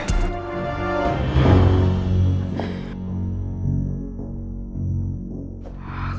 mungkin aku harus tanya ke